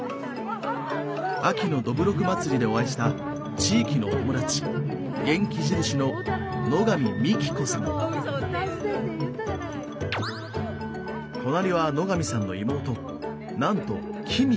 秋のどぶろく祭りでお会いした地域のお友達元気印の隣は野上さんの妹なんと公子さん。